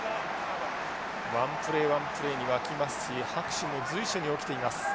１プレー１プレーに沸きますし拍手も随所に起きています。